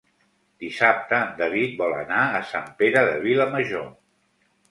Dissabte en David vol anar a Sant Pere de Vilamajor.